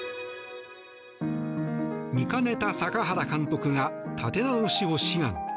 見かねた坂原監督が立て直しを志願。